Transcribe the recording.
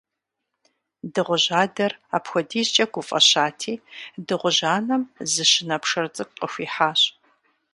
Дыгъужь адэр апхуэдизкӀэ гуфӀэщати, дыгъужь анэм зы щынэ пшэр цӀыкӀу къыхуихьащ.